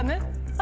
あ。